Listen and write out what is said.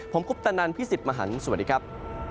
ผมคุปตะนันพี่สิทธิ์มหันฯสวัสดีครับ